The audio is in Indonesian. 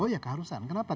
oh ya keharusan kenapa